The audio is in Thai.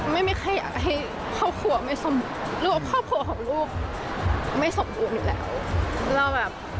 ไม่มีใครอยากให้ครอบครัวของลูกไม่สมบูรณ์อยู่แล้ว